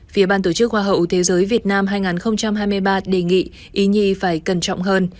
phía ban tổ chức hoa hậu thế giới việt nam hai nghìn hai mươi ba đề nghị y nhi phải cẩn trọng hơn